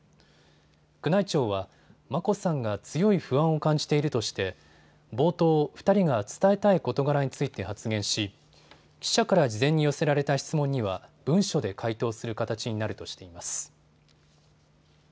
宮内庁は眞子さんが強い不安を感じているとして冒頭２人が伝えたい事柄について発言し記者から事前に寄せられた質問には文書で回答する形になるとしています。